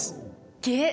げっ！